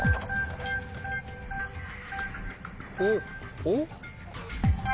おっおっ？